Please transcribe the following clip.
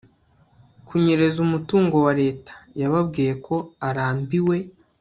kunyereza umutungo wa leta yababwiye ko arambiwe